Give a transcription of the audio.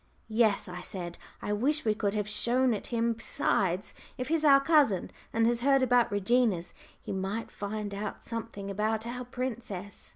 "Yes," I said, "I wish we could have shown it him. Besides, if he's our cousin, and has heard about 'Reginas,' he might find out something about our princess."